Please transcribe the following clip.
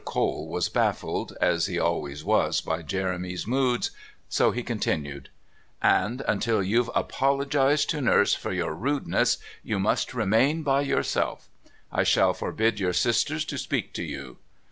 Cole was baffled, as he always was by Jeremy's moods, so he continued: "And until you've apologised to Nurse for your rudeness you must remain by yourself. I shall forbid your sisters to speak to you.